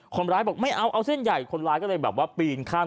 คนร้ายบอกไม่เอาเอาเส้นใหญ่คนร้ายก็เลยแบบว่าปีนข้าม